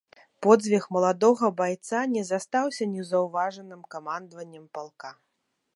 Подзвіг маладога байца не застаўся незаўважаным камандаваннем палка.